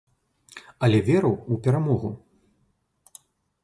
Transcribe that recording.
Але веру ў перамогу.